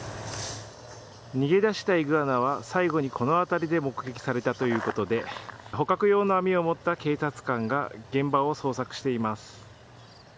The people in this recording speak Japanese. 逃げ出したイグアナは最後に、この辺りで目撃されたということで捕獲用の網を持った警察官が現場を捜索しています。